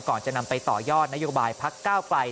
ก่อนจะนำไปต่อยอดนโยบายพัก๙ไฟ